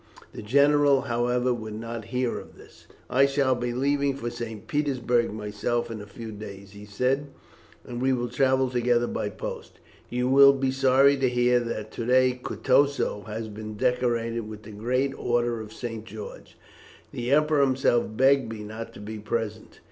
The general, however, would not hear of this. "I shall be leaving for St. Petersburg myself in a few days," he said, "and we will travel together by post. You will be sorry to hear that to day Kutusow has been decorated with the great order of St. George. The Emperor himself begged me not to be present.